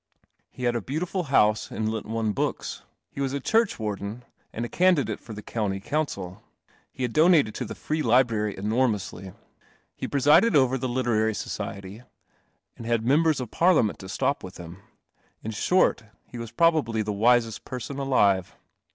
I Ie had a beautiful house lent one books, he was a churchwarden, and a candidate for the County Council; he had do nated to the Free Library enormously, he pre sided over the Literar iety, and had Mem : Parliament to stop with him — in short, he was probably the wisest person alive.